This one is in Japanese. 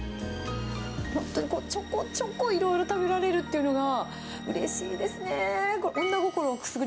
本当にちょこちょこいろいろ食べられるっていうのが、うれしいですね。